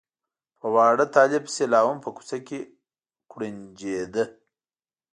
په واړه طالب پسې لا هم په کوڅه کې کوړنجېده.